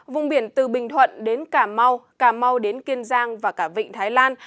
vùng biển từ bình thuận đến cà mau cà mau đến kiên giang và cả vịnh thái lan